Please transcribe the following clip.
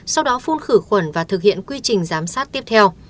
sau đó phun khử khuẩn và thực hiện quy trình giám sát tiếp theo